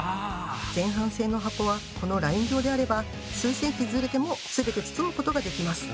前半戦の箱はこのライン上であれば数センチずれても全て包むことができます。